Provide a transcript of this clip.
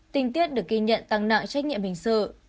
tình tiết được ghi nhận tăng nặng trách nhiệm hình sự